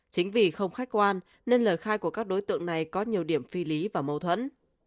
chính vì không khách quan nên lời khai của các đối tượng này có nhiều điểm phi lý và mâu thuẫn